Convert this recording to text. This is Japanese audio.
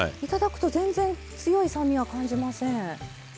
頂くと全然強い酸味は感じません。